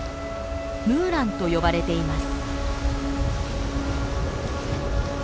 ムーランと呼ばれています。